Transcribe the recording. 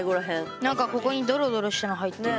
何かここにドロドロしたの入ってる。